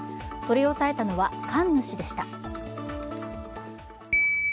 取り押さえたのは、神主でした。